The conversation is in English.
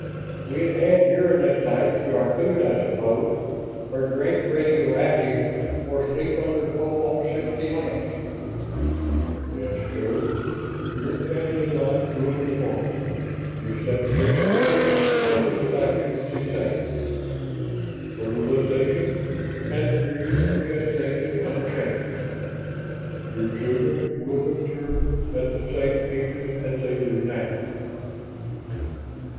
"We'd add uranexite to our food, I suppose. Or drink radioactives, or sleep under cobalt 60 lamps." "Yes, sir. Your family life will be normal; your sexual urges and satisfactions the same. Fertilization and period of gestation unchanged. Your children will mature at the same ages as they do now."